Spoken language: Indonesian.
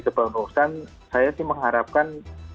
kebangunan saya sih mengharapkan